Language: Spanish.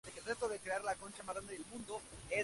Ha habido muchas teoría sobre su muerte.